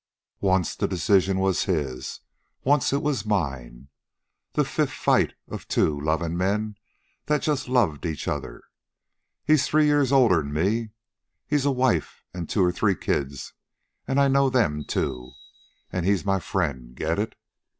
Once the decision was his; once it was mine. The fifth fight of two lovin' men that just loved each other. He's three years older'n me. He's a wife and two or three kids, an' I know them, too. And he's my friend. Get it?